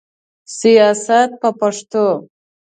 سیاست په پښتو.